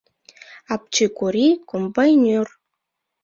Апчи Корий — комбайнер.